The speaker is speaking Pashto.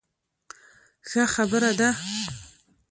ښه خبره ده.